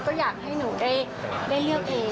ก็อยากให้หนูได้เลือกเอง